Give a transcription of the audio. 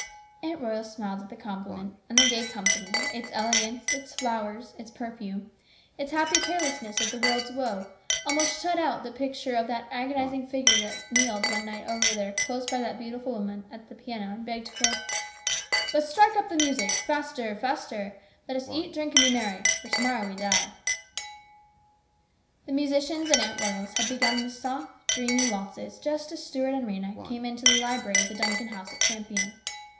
Aunt Royal smiled at the compliment, and the gay company, its elegance, its flowers, its perfume, its happy carelessness of the world's woe, almost shut out the picture of that agonising figure that kneeled one night over there close by that beautiful woman at the piano and begged for >% But strike up the music faster, faster ; let us eat, drink, and be merry, for to morrow we die. 816 HIS BROTHER'S KEEPER. The musicians at Aunt Royal's had begun the soft, dreamy waltzes just as Stuart and Rhena came into the library of the Duncan house at Champion.